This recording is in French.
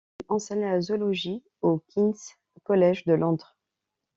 Il enseigne la zoologie au King's College de Londres.